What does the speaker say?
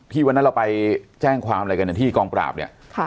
วันนั้นเราไปแจ้งความอะไรกันที่กองปราบเนี่ย